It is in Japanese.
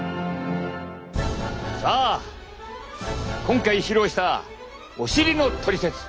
さあ今回披露したお尻のトリセツ。